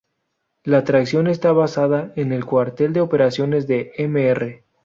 La atracción está basada en el cuartel de operaciones de Mr.